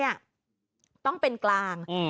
ที่สำคัญสือเองต้องเป็นกลาง